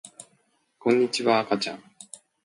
こんにちはあかちゃん